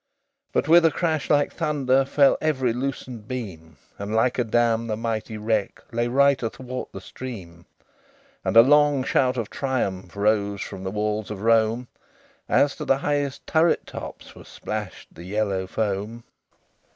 LV But with a crash like thunder Fell every loosened beam, And, like a dam, the mighty wreck Lay right athwart the stream: And a long shout of triumph Rose from the walls of Rome, As to the highest turret tops Was splashed the yellow foam.